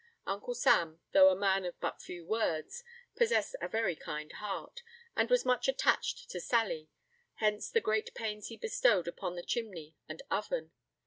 Uncle Sam, though a man of but few words, possessed a very kind heart, and was much attached to Sally; hence the great pains he bestowed upon the chimney and oven.